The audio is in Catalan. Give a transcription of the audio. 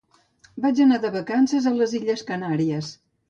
Vaig anar de vacances a les Illes Canàries.